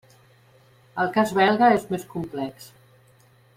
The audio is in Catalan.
El cas belga és més complex.